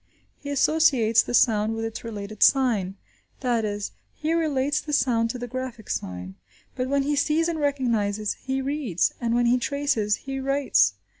He associates the sound with its related sign; that is, he relates the sound to the graphic sign. But when he sees and recognises, he reads; and when he traces, he writes.